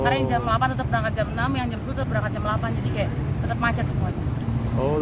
karena yang jam delapan tetap berangkat jam enam yang jam sepuluh tetap berangkat jam delapan jadi kayak tetap macet semuanya